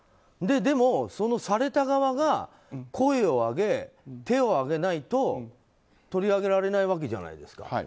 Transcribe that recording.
でも、された側が声を上げ手を挙げないと取り上げられないわけじゃないですか。